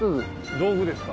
道具です。